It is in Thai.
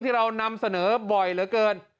เรานำเสนอบ่อยเหลือเกิน